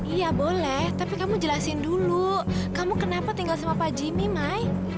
iya boleh tapi kamu jelasin dulu kamu kenapa tinggal sama pak jimmy mai